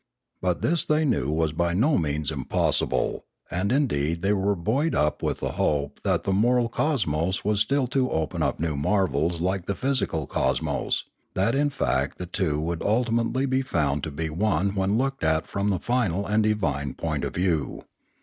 But this they knew was by no means impossible; and indeed they were buoyed up with the hope that the moral cosmos was still to open up new marvels like the physical cosmos, that in fact the two would ultimately be found to be one when looked at from the final and divine point of view.